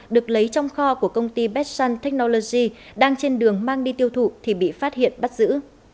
được lấy trong kho của công ty besun technology đang trên đường mang đi tiêu thụ thì bị phát hiện bắt giữ